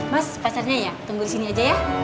mas pacarnya ya tunggu di sini aja ya